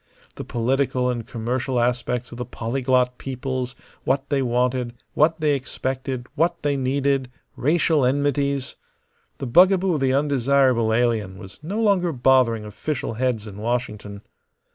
The political and commercial aspects of the polyglot peoples, what they wanted, what they expected, what they needed; racial enmities. The bugaboo of the undesirable alien was no longer bothering official heads in Washington.